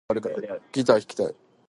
ギター弾きたい